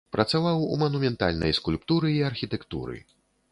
Працаваў у манументальнай скульптуры і архітэктуры.